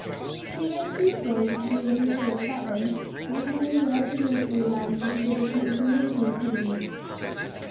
He read too slowly to be of any service that way, but he knew yards of nursery rhymes that he could repeat with amazing rapidity.